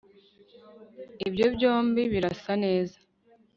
ibyo byombi birasa neza